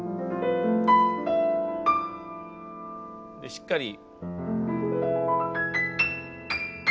しっかり。